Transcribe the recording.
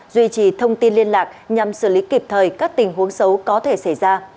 duy trì thông tin liên lạc nhằm xử lý kịp thời các tình huống xấu có thể xảy ra